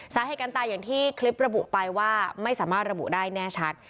สาเหตุการตายอย่างที่คลิประบุไปว่าไม่สามารถระบุได้แน่ชัด